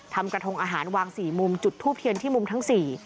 กระทงอาหารวางสี่มุมจุดทูบเทียนที่มุมทั้งสี่